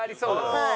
はい。